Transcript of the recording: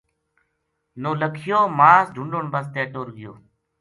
نولکھیو ماس ڈُھنڈن بسطے ٹر گیو